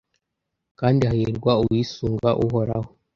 kandi hahirwa uwisunga uhoraho